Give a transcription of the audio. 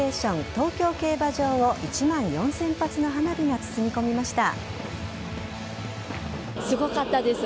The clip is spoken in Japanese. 東京競馬場を１万４０００発の花火が包み込みました。